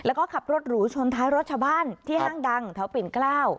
แล้วก็ขับรถหรูชนท้ายรถชาวบ้านที่ห้างดังแถวปิ่นเกล้า